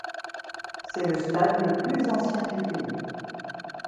C'est le stade le plus ancien du pays.